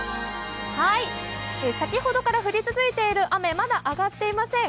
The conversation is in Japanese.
先ほどから降り続いている雨、まだ上がっていません。